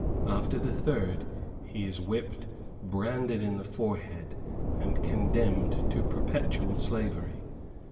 After the third he is whipped, branded in the forehead, and condemned to perpetual slavery.